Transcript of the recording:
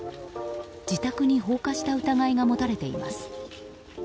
自宅に放火した疑いが持たれています。